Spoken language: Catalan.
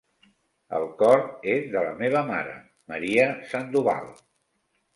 El cor és de la meva mare, Maria Sandoval.